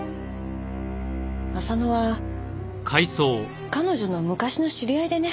浅野は彼女の昔の知り合いでね。